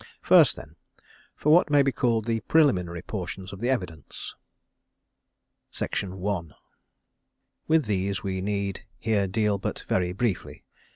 First then, for what may be called the preliminary portions of the evidence. With these we need here deal but very briefly.